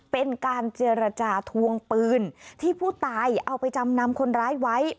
เป็นการเจรจาทวงปืนที่ผู้ตายเอาไปจำนำคนร้ายไว้